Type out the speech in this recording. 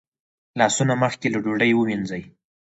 لاسونه مخکې له ډوډۍ ووینځئ